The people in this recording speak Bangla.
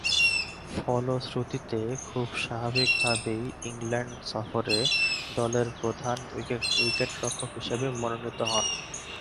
ফলশ্রুতিতে, খুব স্বাভাবিকভাবেই ইংল্যান্ড সফরে দলের প্রধান উইকেট-রক্ষক হিসেবে মনোনীত হন।